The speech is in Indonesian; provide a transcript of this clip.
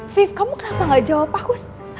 five kamu kenapa gak jawab aku